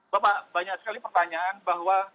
bapak banyak sekali pertanyaan bahwa